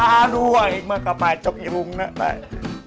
aduh ini mah gak pacok ini bunga pak